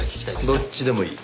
どっちでもいい。